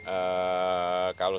pak perangkat apa